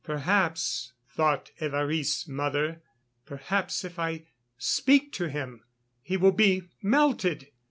"Perhaps," thought Évariste's mother, "perhaps, if I speak to him, he will be melted.